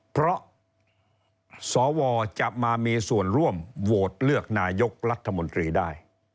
เพราะสวจะมามีส่วนร่วมโหวตเลือกนายกรัฐมนตรีได้